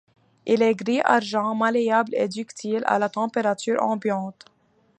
Il est gris argent, malléable et ductile à la température ambiante.